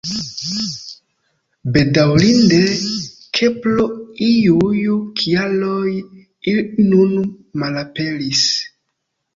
Bedaŭrinde, ke pro iuj kialoj ili nun malaperis.